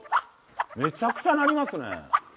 めちゃくちゃ鳴りますね。